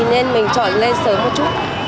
nên mình chọn lên sớm một chút